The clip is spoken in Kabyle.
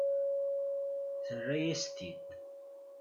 Terra-yas-t-id.